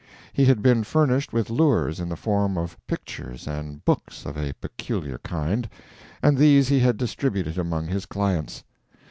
He had been furnished with lures in the form of pictures and books of a peculiar kind, and these he had distributed among his clients.